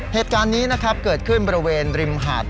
เหตุการณ์นี้นะครับเกิดขึ้นบริเวณริมหาด